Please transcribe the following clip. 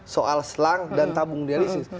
soal selang dan tabung dialisis